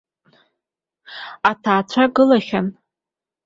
Аҭаацәа гылахьан.